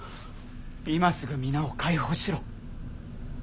今すぐ皆を解放しろ。